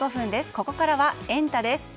ここからはエンタ！です。